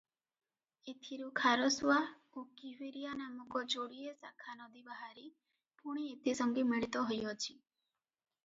ଏଥୁରୁ ଖାରସୁଆ ଓ କିହ୍ୱିରିଆ ନାମକ ଯୋଡ଼ିଏ ଶାଖାନଦୀ ବାହାରି ପୁଣି ଏଥି ସଙ୍ଗେ ମିଳିତ ହୋଇଅଛି ।